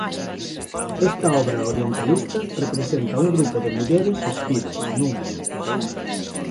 Esta obra orientalista representa un grupo de mulleres espidas nun harén.